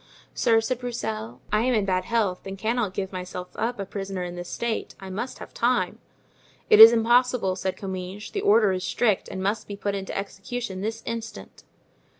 "Sir," said Broussel, "I am in bad health and cannot give myself up a prisoner in this state; I must have time." "It is impossible," said Comminges; "the order is strict and must be put into execution this instant."